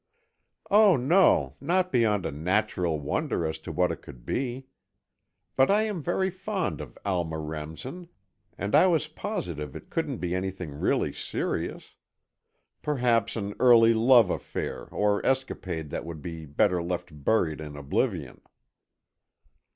"Oh, no, not beyond a natural wonder as to what it could be. But I am very fond of Alma Remsen, and I was positive it couldn't be anything really serious. Perhaps an early love affair or escapade that would be better left buried in oblivion."